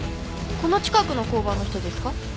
この近くの交番の人ですか？